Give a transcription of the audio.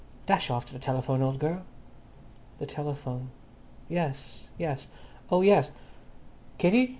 "Dash off to the telephone, old girl." The telephone. "Yes, yes; oh yes. Kitty?